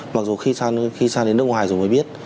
mặc dù khi sang đến nước ngoài rồi mới biết